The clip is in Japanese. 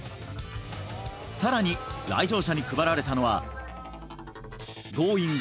更に、来場者に配られたのは「Ｇｏｉｎｇ！」